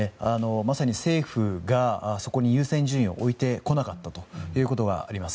まさに政府がそこに優先順位を置いてこなかったということがあります。